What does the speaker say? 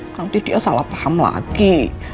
nanti dia salah paham lagi